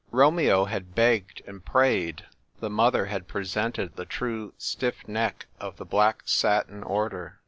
Romeo had begged and prayed ; the mother had presented the true stiff neck of the black satin order.